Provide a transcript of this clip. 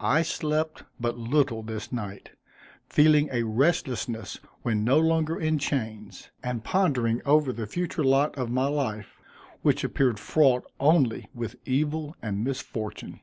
I slept but little this night, feeling a restlessness when no longer in chains; and pondering over the future lot of my life, which appeared fraught only with evil and misfortune.